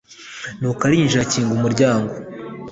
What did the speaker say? Nuko arinjira akinga umuryango